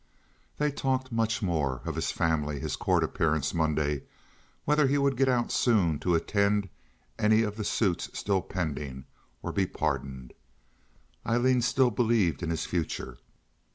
They talked much more—of his family, his court appearance Monday, whether he would get out soon to attend any of the suits still pending, or be pardoned. Aileen still believed in his future.